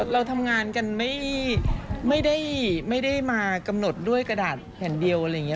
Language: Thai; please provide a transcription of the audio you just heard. เราทำงานกันไม่ได้มากำหนดด้วยกระดาษแผ่นเดียวอะไรอย่างนี้